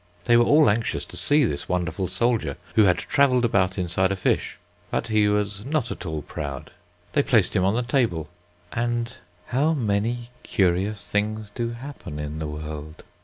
They were all anxious to see this wonderful soldier who had travelled about inside a fish; but he was not at all proud. They placed him on the table, and how many curious things do happen in the world!